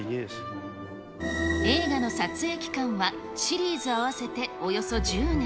映画の撮影期間はシリーズ合わせておよそ１０年。